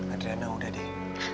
adriana udah deh